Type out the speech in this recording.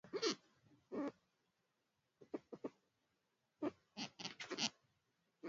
Taratibbu za kufuata kupika pilau la viazi lishe